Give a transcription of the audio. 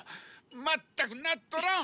まったくなっとらん！